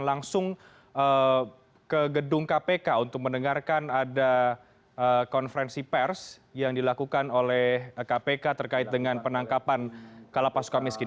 langsung ke gedung kpk untuk mendengarkan ada konferensi pers yang dilakukan oleh kpk terkait dengan penangkapan kalapas suka miskin